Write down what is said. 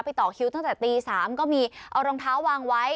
ต่อคิวตั้งแต่ตี๓ก็มีเอารองเท้าวางไว้